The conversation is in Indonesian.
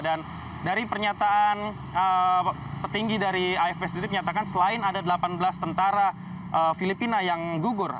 dan dari pernyataan petinggi dari afp sendiri menyatakan selain ada delapan belas tentara filipina yang gugur